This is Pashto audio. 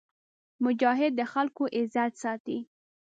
مجاهد د خلکو عزت ساتي.